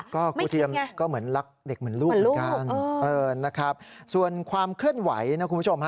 ก็ครูเทียมก็เหมือนรักเด็กเหมือนลูกเหมือนกันนะครับส่วนความเคลื่อนไหวนะคุณผู้ชมฮะ